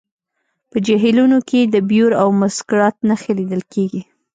په جهیلونو کې د بیور او مسکرات نښې لیدل کیږي